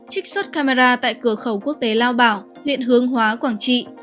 trích xuất camera tại cửa khẩu quốc tế lao bảo huyện hướng hóa quảng trị